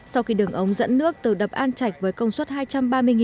sau khi đường ống dẫn nước từ đập an chạch với công suất hai trăm ba mươi mg